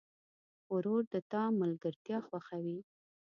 ورور د تا ملګرتیا خوښوي.